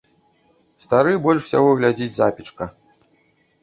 Стары больш усяго глядзіць запечка.